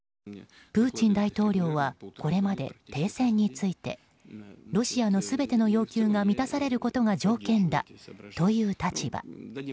プーチン大統領はこれまで停戦についてロシアの全ての要求が満たされることが条件だという立場。